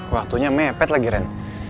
waktunya mepet lagi ren